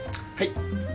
はい。